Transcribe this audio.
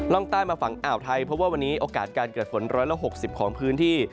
ร่องใต้มาฝั่งอ่าวไทยเพราะว่าวันนี้โอกาสการเกิดฝน๑๖๐ของพื้นที่